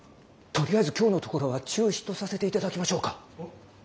とりあえず今日のところは中止とさせていただきましょうか。